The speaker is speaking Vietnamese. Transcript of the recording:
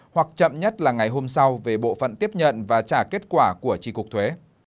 hoặc chậm nhất là ngày hôm sau về bộ phận tiếp nhận và trả kết quả của tri cục thuế